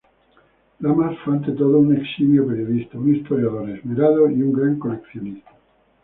Lamas fue ante todo un eximio periodista, un historiador esmerado y un gran coleccionista.